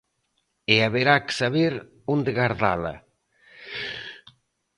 E haberá que saber onde gardala.